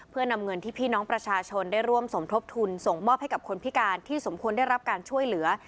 เพื่อนำเงินที่พี่น้องประชาชนได้ร่วมสมทบทุนส่งมอบให้กับคนพิการที่สมควรได้รับการช่วยเหลือ